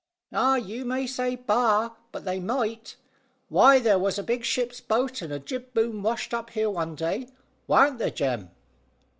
"Ah, you may say `Bah!' but they might. Why, there was a big ship's boat and a jib boom washed up here one day; warn't there, Jem?"